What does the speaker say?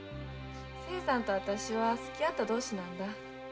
清さんとあたしは好きあった同士なんだ。